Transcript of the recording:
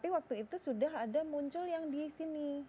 waktu itu sudah ada muncul yang di sini